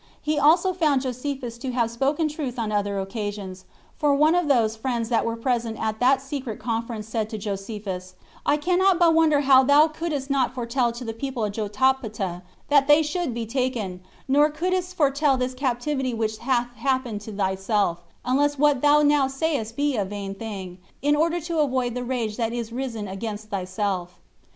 He also found Josephus to have spoken truth on other occasions; for one of those friends that were present at that secret conference said to Josephus, "I cannot but wonder how thou couldst not foretell to the people of Jotapata that they should be taken, nor couldst foretell this captivity which hath happened to thyself, unless what thou now sayest be a vain thing, in order to avoid the rage that is risen against thyself."